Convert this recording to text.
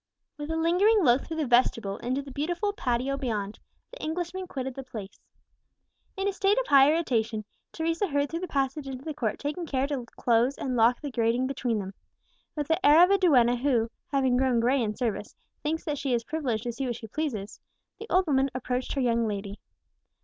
With a lingering look through the vestibule into the beautiful patio beyond, the Englishman quitted the place. In a state of high irritation, Teresa hurried through the passage into the court, taking care to close and lock the grating between them. With the air of a duenna who, having grown gray in service, thinks that she is privileged to say what she pleases, the old woman approached her young lady.